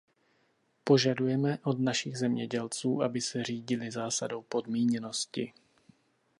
Požadujeme od našich zemědělců, aby se řídili zásadou podmíněnosti.